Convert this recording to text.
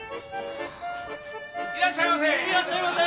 いらっしゃいませ！